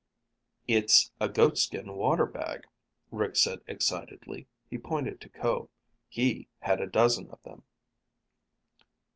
"It's a goatskin water bag," Rick said excitedly. He pointed to Ko. "He had a dozen of them."